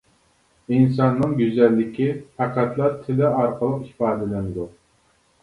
ئىنساننىڭ گۈزەللىكى پەقەتلا تىلى ئارقىلىق ئىپادىلىنىدۇ.